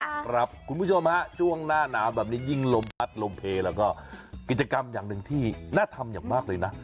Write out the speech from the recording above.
คุณผู้ชมฮะช่วงหน้าหนาวแบบนี้ยิ่งลมพัดลมเพลแล้วก็กิจกรรมอย่างหนึ่งที่น่าทำอย่างมากเลยนะ